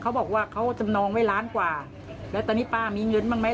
เขาบอกว่าเขาจำนองไว้ล้านกว่าแล้วตอนนี้ป้ามีเงินบ้างไหม